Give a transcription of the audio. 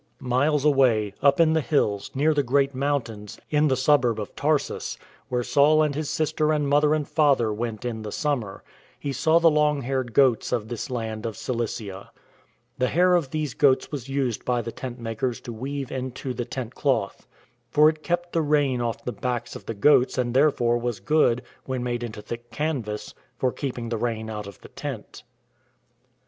Miles away, up in the hills, near the great mountains, in the suburb of Tarsus, where Saul and his sister and mother and father went in the summer, he saw the long haired goats of this land of Cilicia. The hair of these goats was used by the tent makers to weave into the tent cloth. For it kept the rain off the backs of the goats and therefore was good, when made into thick canvas, for keeping the rain out of the tent.